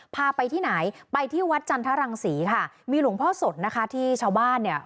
พาไปที่ไหนไปที่วัดจันทรังศรีค่ะมีหลวงพ่อสดนะคะที่ชาวบ้านเนี่ย